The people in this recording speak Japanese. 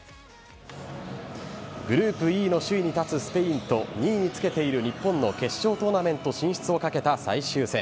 グループＢの首位に立つスペインと２位につけている日本の決勝トーナメント進出を懸けた最終戦。